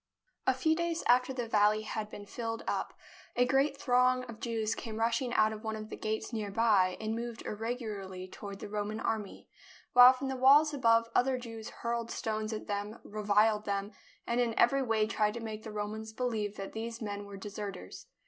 A few days after the valley had been filled up, a great throng of Jews came rushing out of one of the gates near by and moved irregularly toward the Roman army, while from the walls above other Jews hurled stones at them, reviled them, and in every way tried to make the Romans believe that these men were deserters.